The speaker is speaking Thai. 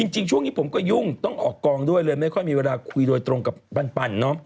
จริงช่วงนี้ผมก็ยุ่งต้องออกกองด้วยเลยไม่ค่อยมีเวลาคุยโดยตรงกับปันเนาะ